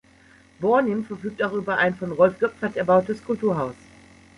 Bornim verfügt auch über ein von Rolf Göpfert erbautes Kulturhaus.